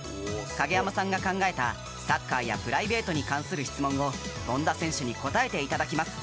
影山さんが考えた、サッカーやプライベートに関する質問を権田選手に答えていただきます。